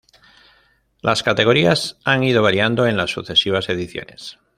Las categorías han ido variando en las sucesivas ediciones.